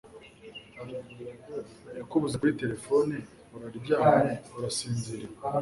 yakubuze kuri telephone, uraryamye urasinziriye